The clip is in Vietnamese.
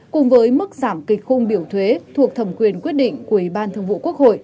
cùng với mức giảm kịch khung biểu thuế thuộc thẩm quyền quyết định của ubthqh